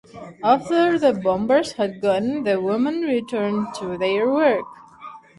After the bombers had gone, the women returned to their work.